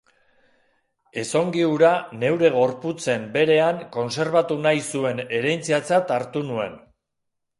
Ezongi hura neure gorputzen berean kontserbatu nahi zuen herentziatzat hartu nuen.